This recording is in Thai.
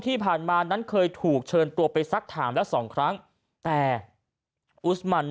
ที่ผ่านมานั้นเคยถูกเชิญตัวไปสักถามแล้วสองครั้งแต่อุสมัน